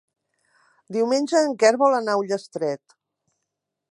Diumenge en Quer vol anar a Ullastret.